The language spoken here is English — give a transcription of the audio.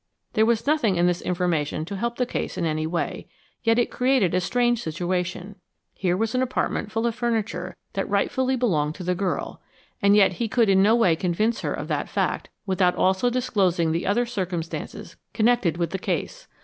There was nothing in this information to help the case in any way, yet it created a strange situation. Here was an apartment full of furniture that rightfully belonged to the girl, and yet he could in no way convince her of that fact without also disclosing the other circumstances connected with the case.